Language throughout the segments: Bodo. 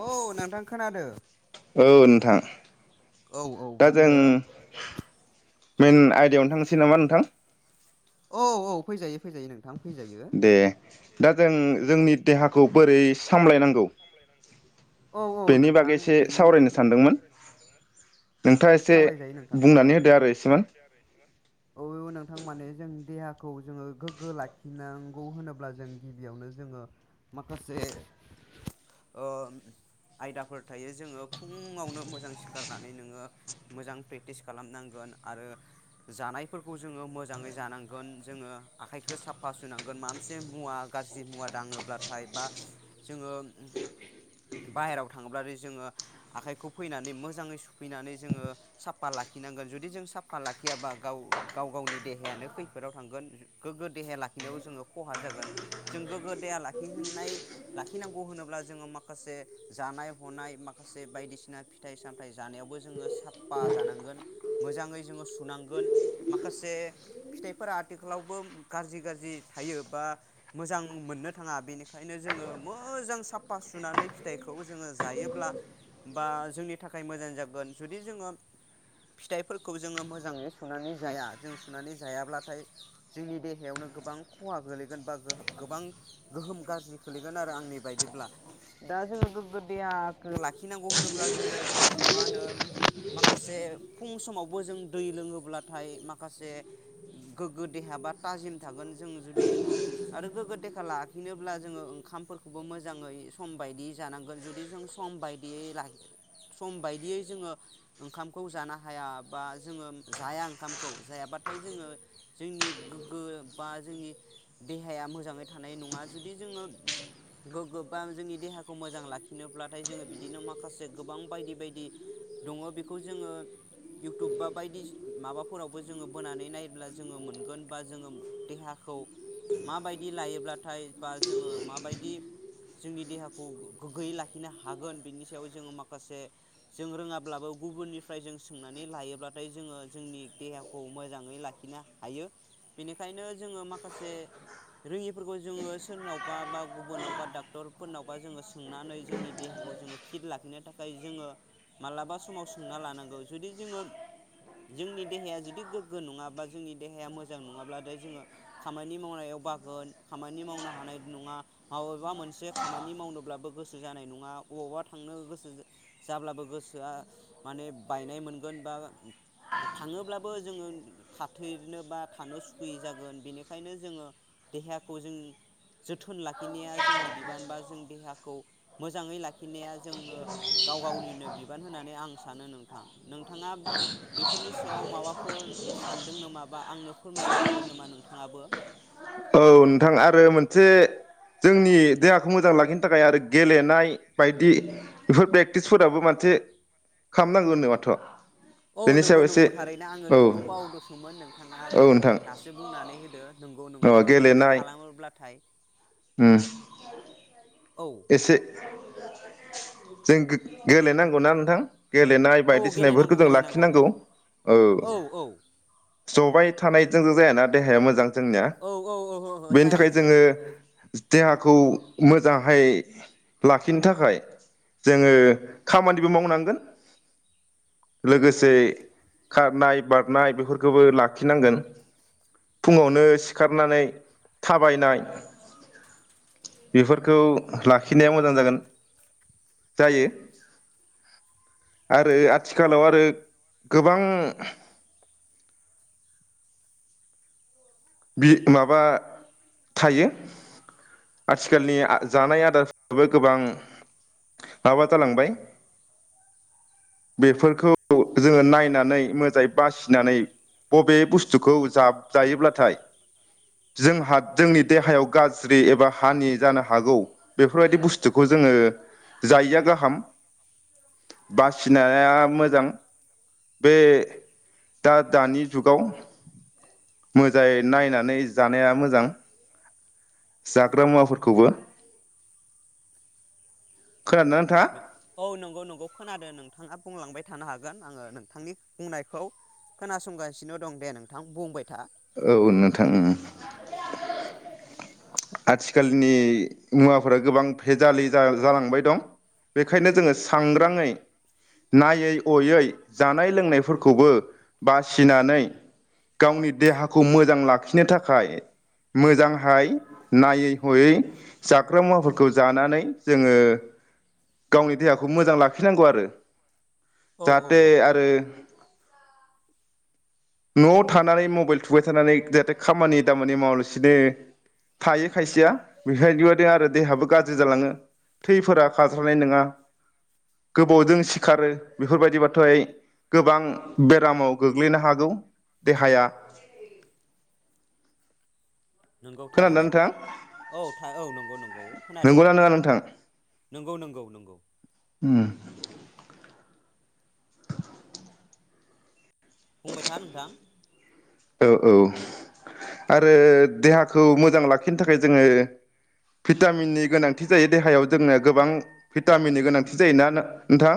औ नोंथां खोनादो ओ नोंथां औ औ दा जों बुंदो मेन आयदायावनो थांनोसै नामा नोंथां औ औ फैजायो फैजायो नोंथां फैजायो दे दा जों जोंनि देहाखौ बोरै सामलायनांगौ औ औ बेनि नोंथां बागै एसे बिनि सावरायनो सानदोंमोन नोंथाङा एसे सावरायजायो नोंथां बुंनानै होदो आरो एसेमोन खौ जोङो गोग्गो लाखिनांगौ होनोब्ला जों गिबियावनो जोङो माखासे ओ आयदाफोर थायो जोङो फुङावनो मोजां सिखारनानै नोङो मोजां प्रेक्टिस खालामनांगोन आरो जानायफोरखौ जोङो मोजाङै जानांगोन जोङो आखाइखौ साफा सुनांगोन माबा मोनसे मुवा गाज्रि मुवा दाङोब्लाथाय बा‌ जोङो बाहेराव थाङोब्ला जोङो आखाइखौ फैनानै मोजाङै सुफैनानै जोङो साफा लाखिनांगोन जुदि जों साफा लाखियाबा गाव गाव गावनि देहायानो खैफोदाव थांगोन गोग्गो देहा लाखिनायाव जोङो खहा जागोन जों गोग्गो देहा लाखिनाय लाखिनांगौ होनोब्ला जोङो माखासे जानाय हनाय माखासे बायदिसिना फिथाइ सामथाइ जानायावबो जोङो साफा जानांगोन मोजाङै जोङो सुनांगोन माखासे फिथाइफोरा आथिखालावबो गाज्रि गाज्रि थायो बा मोजां मोननो थाङा बेनिखायनो जोङो मोजां साफा सुनानै फिथाइखौ जोङो जायोब्ला बा जोंनि थाखाय मोजां जागोन जुदि जोङो फिथाइफोरखौ जोङो मोजाङै सुनानै जाया जों सुनानै जायाब्लाथाय जोंनि देहायावनो गोबां खहा गोलैगोन बा गोबां गोहोम गाज्रि खोलैगोन आरो आंनि बायदिब्ला दा जोङो गोग्गो देहाखौ लाखिनांगौ होनोब्ला जोङो मा होनो माखासे फुं समावबो जों दै लोङोब्लाथाय माखासे गोग्गो देहा बा थाजिम थागोन जों जुदि आरो गोग्गो देखा ला लाखिनोब्ला जोङो ओंखामफोरखौबो मोजाङै सम बायदियै जानांगोन जुदि जों सम बायदियै सम बायदियै जोङो ओंखामखौ जानो हाया बा जोङो जाया ओंखामखौ जायाबाथाय जोङो जोंनि गोग्गो बा जोंनि देहाया मोजाङै थानाय नङा जुदि जोङो गोग्गो बा जोंनि देहाखौ मोजां लाखिनोब्लाथाय जोङो बिदिनो माखासे गोबां बायदि बायदि दङ बेखौ जोङो इउटुब बा बायदि माबाफोरावबो जोङो बोनानै नायब्ला जोङो मोनगोन बा जोङो देहाखौ माबायदि लायोब्लाथाय बा जोङो माबायदि जोंनि देहाखौ गोग्गोयै लाखिनो हागोन बिनि सायाव जोङो माखासे जों रोङाब्लाबो गुबुननिफ्राय जों सोंनानै लायोब्लाथाय जोङो जोंनि देहाखौ मोजाङै लाखिनो हायो बेनिखायनो जोङो माखासे रोङिफोरखौ जोङो सो सोरनावबा बा गुबुननावबा डाक्टरफोरनावबा जोङो सोंनानै जोंनि देहाखौ जोङो फिट लाखिनो थाखाय जोङो मालाबा समाव सोंना लानांगौ जुदि जोङो जोंनि देहाया जुदि गोग्गो नङाबा जोंनि देहाया मोजां नङाब्लाथाय जोङो खामानि मावनायाव बागोन खामानि मावना हानाय नङा माबेबा मोनसे खामानि मावनोब्लाबो गोसो जानाय नङा अबावबा थांनो गोसो जाब्लाबो गोसोआ माने बायनाय मोनगोन बा थाङोब्लाबो जोङो थाथेरनो बा थानो सुखुयै जागोन बेनिखायनो जोङो देहाखौ जों जोथोन लाखिनाया जोंनि बिबान बा जों देहाखौ मोजाङै लाखिनाया जोङो गाव गावनिनो बिबान होनानै आं सानो नोंथां नोंथाङा बेफोरनि सायाव माबाफोर सानदों नामा बा आंनो फोरमायनो हागोन नोमा नोंथाङाबो औ नोंथां आरो मोनसे जोंनि देहाखौ मोजां लाखिनो थाखाय आरो गेलेनाय बायदि बेफोर प्रेक्टिसफोराबो मोनसे खामनांगौ नो माथो? औ नंगौ नंगौ थारैनो आङो बेखौ बावदोसोमोन नोंथाङा औ जे नोंथां दासो बुंनानै होदो अ नोंगौ फोरबायदि गेलेनाय खालामोबाथाय उम एसे जों गेलेनांगौना नोंथां गेलेनाय औ बायदिसिना बेफोरखौ गेलेनांगौ जों गेलेनांगौ लाखिनांगौ औ जबाय थानायजों जायाना देहाया मोजां जोंनिया औ औ औ औ बेनि जाया थाखाय जाया जोङो देहाखौ मोजां गाहाय लाखिनो थाखाय जोङो खामानिबो मावनांगोन लोगोसे खारनाय बारनाय बेफोरखौबो लाखिनांगोन फुङावनो सिखारनानै थाबायनाय बे खौ लाखिनाया मोजां जागोन जायो आरो आथिखालाव आरो गोबां बि माबा थायो आथिखालनि जानाय आदारफ्राबो गोबां माबा जालांबाय बेफोरखौ जोङो नायनानै मोजाङै बासिनानै बबे बुस्थुखौ जायोब्लाथाय जोंहा जोंनि देहायाव गाज्रि एबा हानि जानो हागौ बेफोरबायदि बुस्थुखौ जोङो जायिया गाहाम बासिनाया मोजां बे दा दानि जुगाव मोजाङै नायनानै जानाया मोजां जाग्रा मुवाफोरखौबो खोनादोंना नोंथाङा औ नंगौ नंगौ खोनादों नोंथाङा बुंलांबाय थानो हागोन आङो नोंथांनि बुंनायखौ खोनासंगासिनो दं दे नोंथां बुंबाय था औ नोंथां आथिखालनि मुवाफोरा गोबां भेजालि जालांबाय दं बेखायनो जोङो सांग्राङै नायै हयै जानाय लोंनायफोरखौबो बासिनानै गावनि देहाखौ मोजां लाखिनो थाखाय मोजांहाय नायै हयै जाग्रा मुवाफोरखौ जानानै जोङो गावनि देहाखौ मोजां लाखिनांगौ आरो औ औ जाहाथे औ आरो न'आव थानानै मबाइल थुबाय थानानै जाहाथे खामानि दामानि मावलसिनो दे थायो खायसेया बेफोरदिबादि आरो देहाबो गाज्रि जालाङो थैफोरा खास्रानाय नङा गोबावजों सिखारो बेफोर बायदिबाथाय गोबां बेरामाव गोग्लैनो हागौ देहाया नंगौ खोनादोंना थारैनो नोंथां औ थ औ नंगौ नंगौ खोनादो नंगौना नङा नोंथां नंगौ नंगौ नोंगौ उम बुंबाय था नोंथां औ औ आरो देहाखौ मोजां लाखिनो थाखाय जोङो भिटामिननि गोनांथि जायो देहायाव जोंनो गोबां भिटामिननि गोनांथि जायोना नोंथां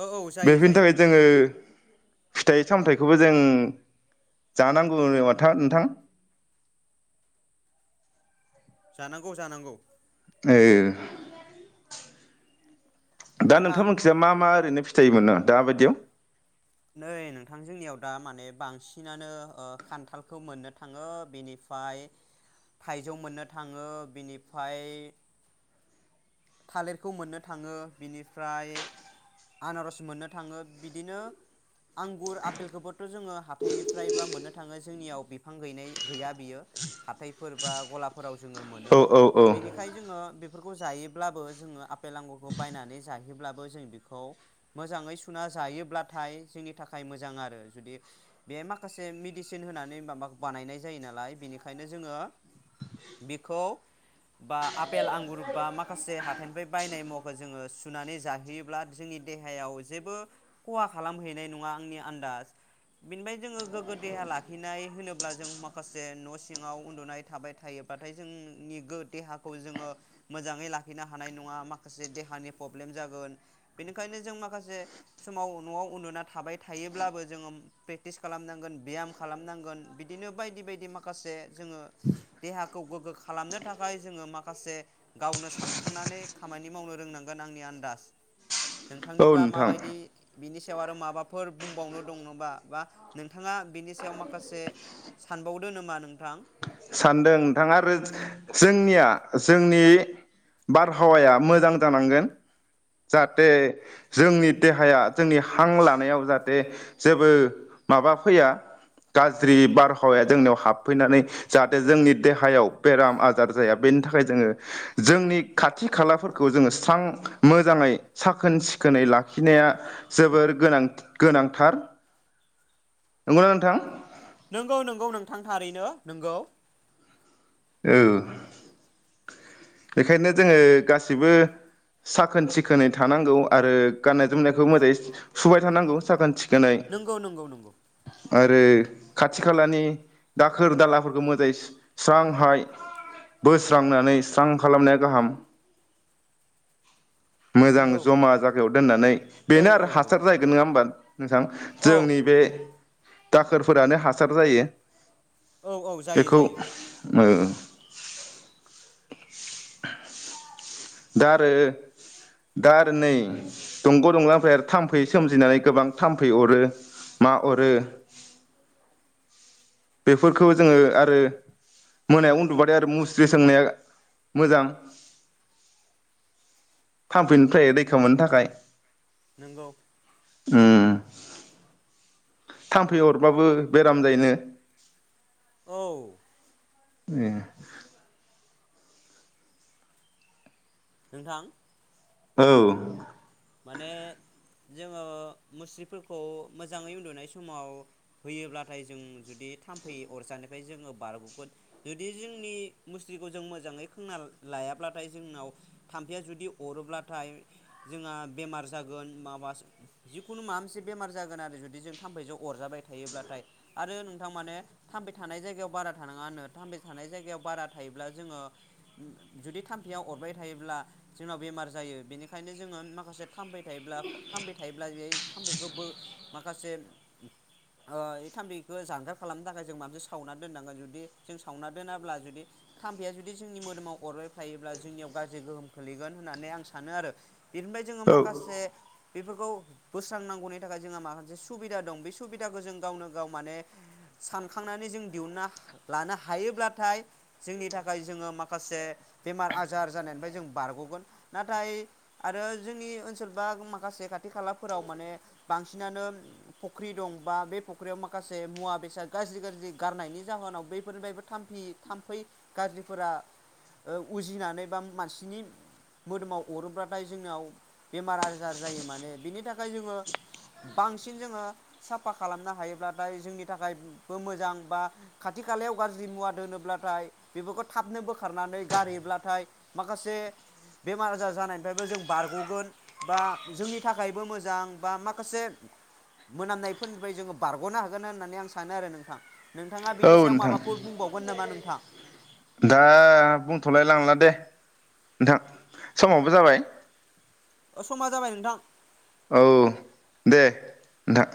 औ औ जायो बेफोरनि जायो थाखाय जोङो फिथाइ सामथाइखौबो जों जानांगौ माथा नोंथां जानांगौ जानांगौ ए दा नोंथां नोंथांमोनखिजा मा मा ओरैनो फिथायोमोन न दाबायदियाव नै नोंथां जोंनियाव दा माने बांसिनानो ओ खान्थालखौ मोननो थाङो बिनिफ्राय थाइजौ मोननो थाङो बिनिफ्राय थालेरखौ मोननो थाङो बिनिफ्राय आनारस मोननो थाङो बिदिनो आंगुर आफेलखौबोथ' जोङो हाथााइनिफ्राय बा मोननो थाङो जोंनियाव बिफां गैनाय गैया बियो हाथायफोर बा गलाफोराव जोङो मोनो औ औ बेनि औ खाय जोङो बेफोरखौ जायो जायोब्लाबो आ आंगुर बायनानै जायोब्लाबो जों बेखौ मोजाङै सुना जायोब्लाथाय जोंनि थाखाय मोजां आरो जुदि बे माखासे मेदिसिन होनानै माबा बानायनाय जायो नालाय बेनिखायनो जोङो बेखौ बा आपेल आंगुर बा म माखासे हाथाइनिफ्राय बायनाय मुवाखौ जोङो सुनानै जाहैयोब्ला जोंनि देहायाव जेबो खहा खालामहैनाय नङा आंनि आन्दाज बेनिफ्राय जोङो गोग्गो देहा लाखिनाय होनोब्ला जों माखासे न' सिङाव उन्दुनाय थाबाय थायोब्लााथाय जोंनि देहाखौ जोङो मोजाङै लाखि लाखिनो हानाय नङा माखासे देहानि प्रब्लेम जागोन बेनिखायनो जों माखासे समाव न'आव उन्दुना थाबाय थायोब्लाबो जोङो प्रेकटिस खालामनांगोन ब्याम खालामनांगोन बिदिनो बायदि बायदि माखासे जोङो देहाखौ गोग्गो खालामनो थाखाय जोङो माखासे गावनो सान खांनानै खामानि मावनो रोंनांगोन आंनि आन्दाज औ नोंथांनिब्ला नोंथां माबायदि बिनि सायाव आरो माबाफोर बुंबावनो दं बा नोंथाङा बिनि सायाव माखासे सानबावदो नोमा नोंथां सानदों नोंथाङा आरो जोंनिया जोंनि बारहावाया मोजां जानांगोन जाहाथे जोंनि देहाया जोंनि हां लानायाव जाहाथे जेबो माबा फैया गाज्रि बारहावाया जोंनियाव हाबफैनानै जाहाथे जोंनि देहायाव बेराम आजार जाया बेनि थाखाय जोङो जोंनि खाथि खालाफोरखौ जोङो स्रां मोजाङै साखोन सिखोनै लाखिनाया जोबोर गोनां गोनांथार नंगौना नोंथां नोंगौ नोंगौ नोंथां थारैनो नोंगौ औ बेखायनो जोङो गासिबो साखोन सिखोनै थानांगौ आरो गान्नाय जोमनायखौ मोजाङै सुबाय थानांगौ साखोन सि गोनै नंगौ नंगौ नंगौ आरो खाथि खालानि दाखोर दालाफोरखो मोजाङै स्रांहाय बोस्रांनानै स्रां खालामनाया गाहाम मोजां नंगौ जमा जागायाव दोननानै औ बेनो औ आरो औ हासार जाहैगोन नङा होमबा नोंथां औ जोंनि बे दाखोरफोरानो हासार जायो औ औ जायो बेखौ जायो [unintelligible] [unintelligible] दा आरो दा आरो नै दंग' दंलानिफ्राय आरो थाम्फै सोमजिनानै गोबां थाम्फै अरो मा अरो बेफोरखौ जोङो आरो मोनायाव उन्दुबाथाय आरो मुस्रि सोंनाया मोजां थाम्फैनिफ्राय रैखा मोननो थाखाय नंगौ उम थाम्फै अरबाबो बेराम जायोनो औ ए नोंथां औ माने जोङो मुस्रिफोरखौ मोजाङै उन्दुनाय समाव होयोब्लाथाय जों जुदि थाम्फै अरजानिफ्राय जोङो बारग'गोन जुदि जोंनि मुस्रिखौ जों मोजाङै खोंना ला लायाब्लाथाय जोंनाव थाम्फैया जुदि अरोब्लाथाय जोंहा बेमार जागोन माबा जिखुनु माबा मोनसे बेमार जागोन आरो जुदि जों थाम्फैजों अरजाबाय थायोब्लाथाय आरो नोंथां माने थाम्फै थानाय जायगायाव बारा थानाङा होनो थाम्फै थानाय जायगायाव बारा थायोब्ला जोङो जुदि थाम्फैया अरबाय थायोब्ला जोंनाव बेमार जायो बेनिखायनो जोङो माखासे थाम्फै थायोब्ला थामफै थायोब्ला बे थाम्फैखौ बो माखासे ओ बे थाम्फैखौ जानगार खालामनो थाखाय जों माबसे सावना दोननांगोन जुदि जों सावना दोनाब्ला जुदि थाम्फैया जुदि जोंनि मोदोमाव अरबायायफ्लायोब्ला जोंनियाव गाज्रि गोहोम खोलैगोन होननानै आं सानो आरो बेनिफ्राय जोङो मा औ माखासे बेफोरखौ बोस्रांनांगौनि थाखाय जोंहा माखासे सुबिदा दं बे सुबिदाखौ जों गावनो गाव माने सानखांनानै जों दिहुनना लानो हायोब्लाथाय जोंनि थाखाय जोङो माखासे बेमार आजार जानायनिफ्राय जों बारग'गोन नाथाय आरो जोंनि ओन ओनसोल बा माखासे खाथि खालाफोराव माने बांसिनानो फख्रि दं बा बे फख्रियाव माखासे मुवा बेसाद गाज्रि गाज्रि गारनायनि जाहोनाव बेफोरनिफ्रायबो थामफि थाम्फै गाज्रिफोरा उजिनानै बा मानसिनि मोदोमाव अरोब्लाथाय जोंनाव बेमार आजार जायो माने बिनि थाखाय जोङो बांसिन जोङो साफा खालामनो हायोब्लाथाय जोंनि थाखायबो मोजां बा खाथि खालायाव गाज्रि मुवा दोनोब्लाथाय बेफोरखौ थाबनो बोखारनानै गारहैब्लाथाय माखासे बेमार आजार जानायनिफ्रायबो जों बारग'गोन बा जोंनि थाखायबो मोजां बा माखासे मोनामनायफोरनिफ्राय जोङो बारग'नो हागोन होननानै आं सानो आरो नोंथां नोंथाङा औ बिनि सायाव नोंथां माबाफोर बुंबावगोन नामा नों नोंथां दा बुंथ'लाय लांला दे नोंथां समावबो जाबाय समा जाबाय नोंथां औ दे नोंथां